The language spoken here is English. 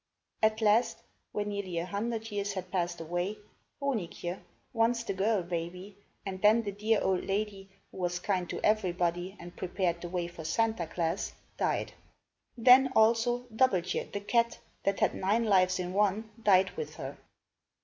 At last, when nearly a hundred years had passed away, Honig je', once the girl baby, and then the dear old lady, who was kind to everybody and prepared the way for Santa Klaas, died. Then, also, Dub belt je' the cat, that had nine lives in one, died with her.